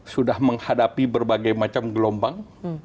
sudah menghadapi berbagai macam gelombang